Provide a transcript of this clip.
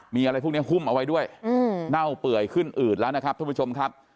มีอะไรพวกนี้หุ้มเอาไว้ด้วยเน่าเปื่อยขึ้นอืดแล้วนะครับท่านผู้ชมครับ